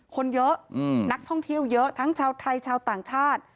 คนเยอะนักท่องเที่ยวเยอะทั้งชาวไทยชาวต่างชาติ